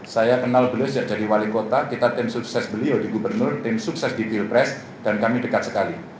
saya kenal beliau sejak jadi wali kota kita tim sukses beliau di gubernur tim sukses di pilpres dan kami dekat sekali